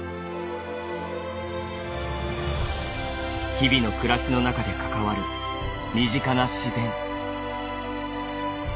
日々の暮らしの中でかかわる身近な自然」。